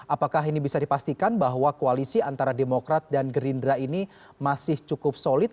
apakah ini bisa dipastikan bahwa koalisi antara demokrat dan gerindra ini masih cukup solid